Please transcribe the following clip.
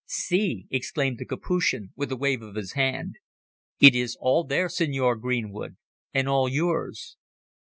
"See!" exclaimed the Capuchin, with a wave of his hand. "It is all there, Signor Greenwood, and all yours."